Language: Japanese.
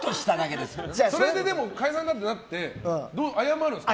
でも、それで解散だってなって謝るんですか？